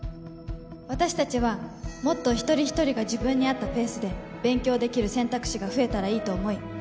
私達はもっと一人一人が自分に合ったペースで勉強できる選択肢が増えたらいいと思い